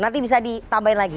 nanti bisa ditambahin lagi